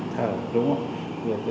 thở đúng không